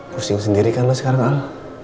pusing sendirikan lu sekarang al